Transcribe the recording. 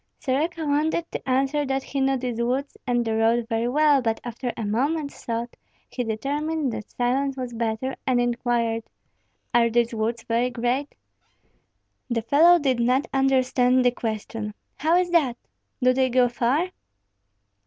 Soroka wanted to answer that he knew these woods and the road very well; but after a moment's thought he determined that silence was better, and inquired, "Are these woods very great?" The fellow did not understand the question. "How is that?" "Do they go far?"